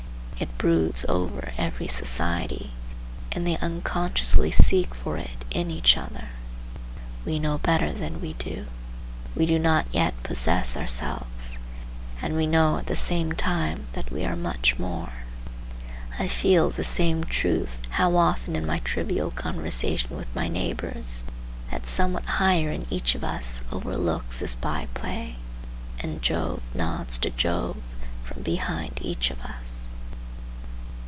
It broods over every society, and they unconsciously seek for it in each other. We know better than we do. We do not yet possess ourselves, and we know at the same time that we are much more. I feel the same truth how often in my trivial conversation with my neighbors, that somewhat higher in each of us overlooks this by play, and Jove nods to Jove from behind each of us.